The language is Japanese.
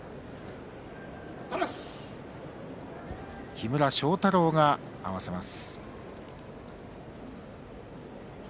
木村庄太郎が合わせます。